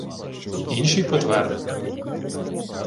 Інший потвердив: